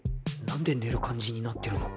何で寝る感じになってるの？